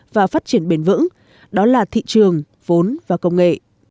và phát triển bền vững đó là thị trường vốn và công nghệ